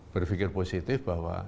berpikir positif bahwa